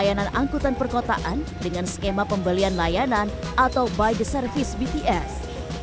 layanan angkutan perkotaan dengan skema pembelian layanan atau by the service bts